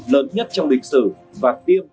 lớn nhất trong lịch sử và tiêm